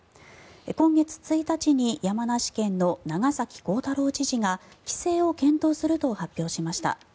今月１日に山梨県の長崎幸太郎知事が規制を検討すると発表しました。